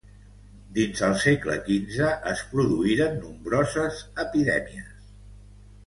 Dins el segle quinze es produïren nombroses epidèmies.